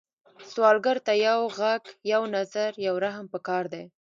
سوالګر ته یو غږ، یو نظر، یو رحم پکار دی